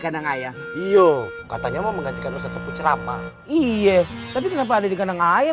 kandang ayah iyo katanya mau menggantikan usaha sepucera pak iye tapi kenapa ada di kandang ayah